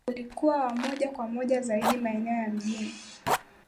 ulikuwa wa moja kwa moja zaidi maeneo ya mijini